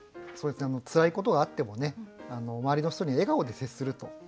つらいことがあってもね周りの人に笑顔で接すると。